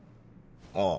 ああ。